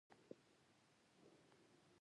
او هغه پۀ کمنټونو کښې نۀ کيږي -